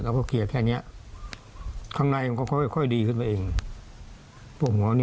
นีบออกเลยเนี่ยที่ดำเนี่ย